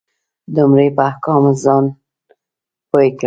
د عمرې په احکامو ځان پوی کړې.